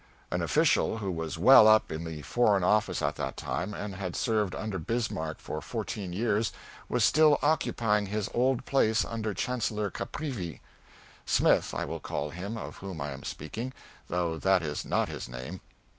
An official who was well up in the Foreign Office at that time, and had served under Bismarck for fourteen years, was still occupying his old place under Chancellor Caprivi. Smith, I will call him of whom I am speaking, though that is not his name.